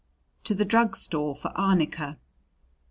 "To the drug store for arnica."